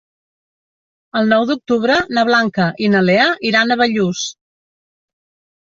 El nou d'octubre na Blanca i na Lea iran a Bellús.